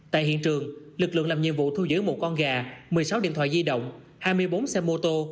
tại hiện trường lực lượng làm nhiệm vụ thu giữ một con gà một mươi sáu điện thoại di động hai mươi bốn xe mô tô